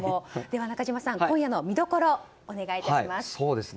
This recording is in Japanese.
中島さん、今夜の見どころお願いします。